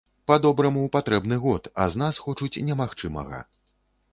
Па-добраму, патрэбны год, а з нас хочуць немагчымага.